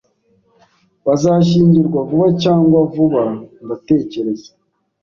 Bazashyingirwa vuba cyangwa vuba, ndatekereza